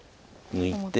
抜いて。